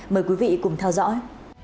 mời quý vị cùng theo dõi